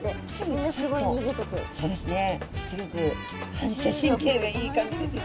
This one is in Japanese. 反射神経がいい感じですよね。